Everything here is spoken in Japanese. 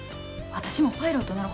私もパイロットなろ。